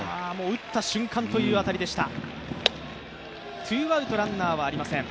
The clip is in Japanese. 打った瞬間という当たりでした。